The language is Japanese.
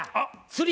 釣り。